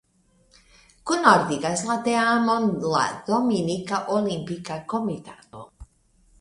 Kunordigas la teamon la Dominika Olimpika Komitato.